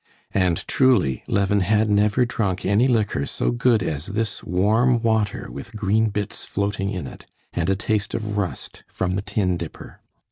And truly Levin had never drunk any liquor so good as this warm water with green bits floating in it, and a taste of rust from the tin dipper.